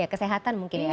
ya kesehatan mungkin ya